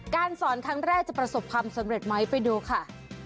สอนครั้งแรกจะประสบความสำเร็จไหมไปดูค่ะ